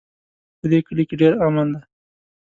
په دې کلي کې ډېر امن ده